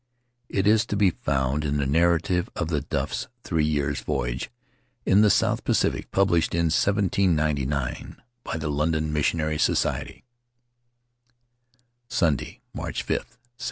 It is to be found in the narrative of the Duff's three years' voyage in the south Pacific, published in 1799, by the London Missionary Society: Sunday, March 5, 1797.